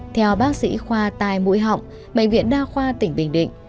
theo bác sĩ khoa tai mũi họng bệnh viện đa khoa tỉnh bình định